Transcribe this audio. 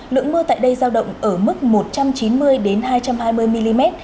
lượng mưa tại đây giao động ở mức một trăm chín mươi hai trăm hai mươi mm